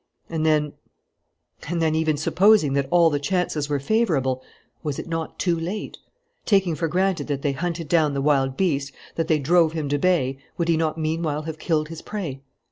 And then and then, even supposing that all the chances were favourable, was it not too late? Taking for granted that they hunted down the wild beast, that they drove him to bay, would he not meanwhile have killed his prey?